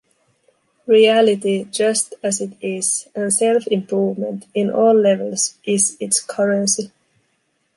Reality just as it is, and self improvement in all levels is its currency.